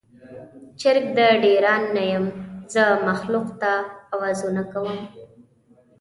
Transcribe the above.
چرګ د ډیران نه یم، زه مخلوق ته اوازونه کوم